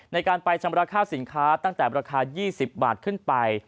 ในการไปชำระค่าสินค้าตั้งแต่ราคา๒๐บาทขึ้นไป